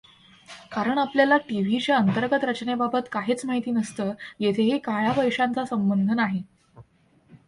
कारण आपल्याला टीव्हीच्या अंतर्गत रचनेबाबत काहीच माहिती नसतंंयेथेही काळ्या पैशांचा संबंध नाही.